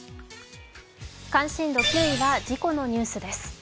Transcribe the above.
関心度９位は事故のニュースです。